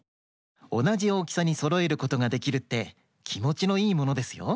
おなじおおきさにそろえることができるってきもちのいいものですよ。